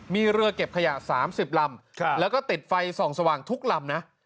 มีเรือเก็บขยะ๓๐ลำแล้วก็ติดไฟส่องสว่างทุกลำนะ